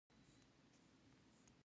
ایا ژوول د هضم سره مرسته کوي؟